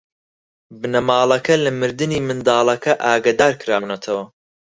بنەماڵەکە لە مردنی منداڵەکە ئاگادار کراونەتەوە.